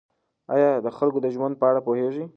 آیا د خلکو د ژوند په اړه پوهېږئ؟